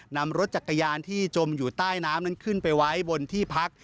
นำรถจักรยานที่จมอยู่ใต้น้ำนั้นขึ้นไปไว้บนที่พัก